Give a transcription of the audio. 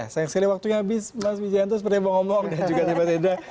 saya kesini waktunya habis mas wijianto seperti yang pak omong dan juga tiba tiba